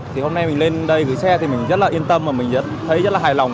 thì hôm nay mình lên đây gửi xe thì mình rất là yên tâm và mình thấy rất là hài lòng